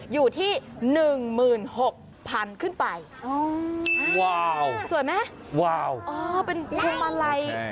อยู่ที่๑๖๐๐๐บวกขึ้นไปสวยไหมอ๋อเป็นพวงมาลัย